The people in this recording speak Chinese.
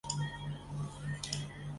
滚动及相对特定表面平移的的运动。